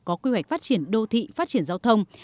có quy hoạch phát triển đô thị phát triển giao thông